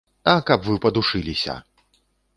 А каб вы падушыліся.